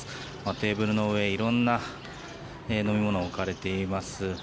テーブルの上色んな飲み物が置かれています。